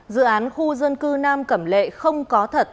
dự án khu dân cư nam cẩm lệ không có thật